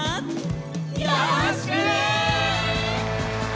よろしくね！